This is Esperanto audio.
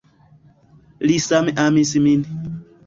Li same amis min.